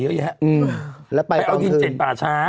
ก็ต้องใช้เจ็ดป่าช้า